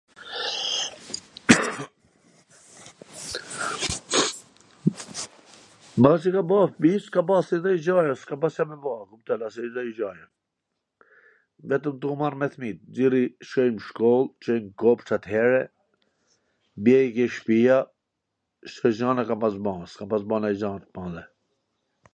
Mbasi ka ba fmit, s ka ba asnjw gja ore, s ka pas Ca me ba, e kupton, asndonjw gja, vetwm tu u marr me fmijt, Coi m shkoll, Coi n kopsht atere, bjerri ke shpia, kshtu gjanash ka pas ba, s ka pas ba nonj gja t madhe